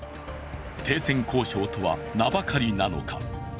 停戦交渉とは名ばかりなのか？